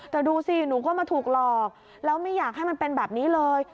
แต่ดูสิหนูก็มาถูกหลอกแล้วไม่อยากให้มันเป็นแบบนี้เลย